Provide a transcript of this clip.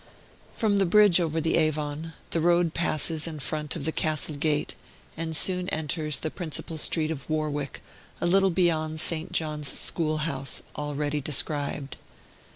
From the bridge over the Avon, the road passes in front of the castle gate, and soon enters the principal street of Warwick, a little beyond St. John's School House, already described.